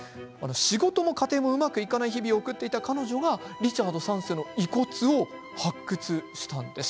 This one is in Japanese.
仕事も家庭もうまくいかない日々を送っていた彼女がリチャード３世の遺骨を発掘したんです。